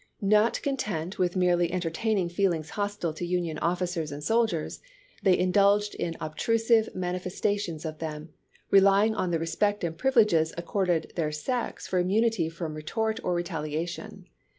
Not content with merely entertaining feelings hostile to Union officers and soldiers, they indulged in obtrusive manifestations of them, rehing on the respect and privilege ac corded their sex for immunity from retort or retal iation.